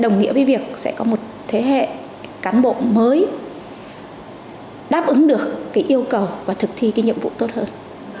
đồng nghĩa với việc sẽ có một thế hệ cán bộ mới đáp ứng được cái yêu cầu và thực thi cái nhiệm vụ tốt hơn